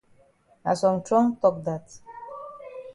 Na some trong tok dat.